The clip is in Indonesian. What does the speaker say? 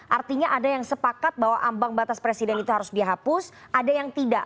artinya ada yang sepakat bahwa ambang batas presiden itu harus dihapus ada yang tidak